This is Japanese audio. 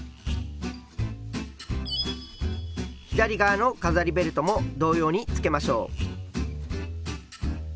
左側の飾りベルトも同様につけましょう。